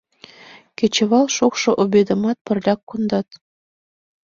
Кечывал шокшо обедымат пырляк кондат.